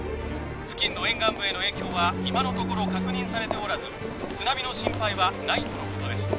付近の沿岸部への影響は今のところ確認されておらず津波の心配はないとのことです